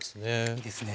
いいですね。